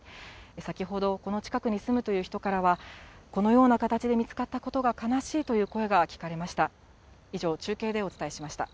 先ほど、この近くに住むという人からは、このような形で見つかったことが悲しいという声が聞かれました。